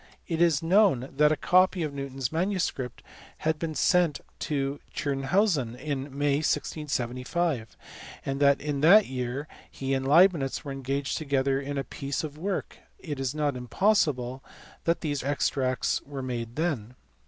It is known that a copy of Newton s manuscript had been sent to Tschirnhausen in May, 1675, and as in that year he and Leibnitz were engaged together on a piece of work, it is not impossible that these extracts were made then*.